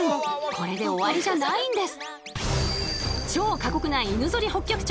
これで終わりじゃないんです。